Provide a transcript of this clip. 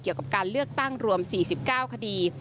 เกี่ยวกับการเลือกตั้งรวม๔๙คดี